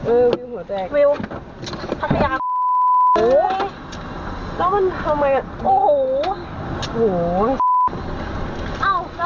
เออวิวหัวแดกวิวภาพยาร์กู